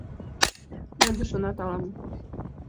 Лӧдӧ шонат ала-мо.